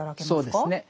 そうですね。